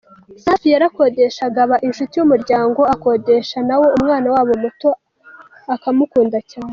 Sifa yarakodeshaga, aba inshuti y’umuryango akodesha nawo, umwana wabo muto akamukunda cyane.